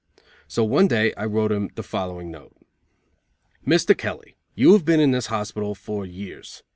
So one day I wrote him the following note: "Mr. Kelly; You have been in this hospital for years.